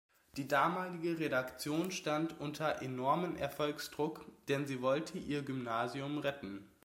Die damalige Redaktion stand unter enormen Erfolgsdruck, denn sie wollte ihr Gymnasium retten.